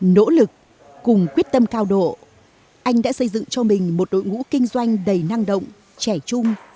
nỗ lực cùng quyết tâm cao độ anh đã xây dựng cho mình một đội ngũ kinh doanh đầy năng động trẻ trung